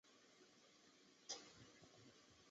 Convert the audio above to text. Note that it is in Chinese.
而许多跨年降落仪式也正是受到本活动的启发。